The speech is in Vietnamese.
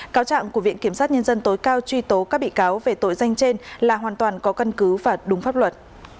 cáo trạng của viện kiểm sát nhân dân tối cao truy tố các bị cáo về tội danh trên là hoàn toàn có căn cứ và đúng pháp luật